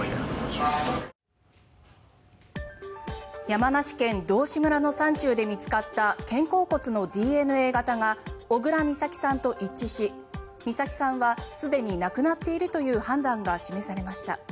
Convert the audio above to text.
山梨県道志村の山中で見つかった肩甲骨のＤＮＡ型が小倉美咲さんと一致し美咲さんはすでに亡くなっているという判断が示されました。